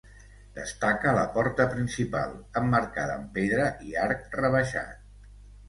Destaca la porta principal, emmarcada amb pedra i arc rebaixat.